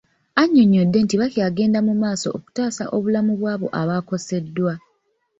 Annyonnyodde nti bakyagenda mu maaso n'okutaasa obulamu bw'abo abakoseddwa.